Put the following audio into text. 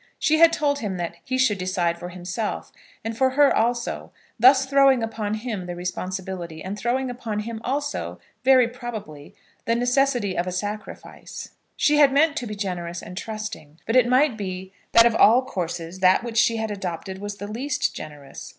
She had told him that he should decide for himself and for her also, thus throwing upon him the responsibility, and throwing upon him also, very probably, the necessity of a sacrifice. She had meant to be generous and trusting; but it might be that of all courses that which she had adopted was the least generous.